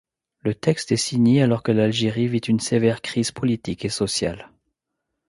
Le texte est signé alors que l'Algérie vit une sévère crise politique et sociale.